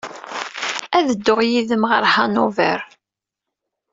Ad dduɣ yid-m ɣer Hanover.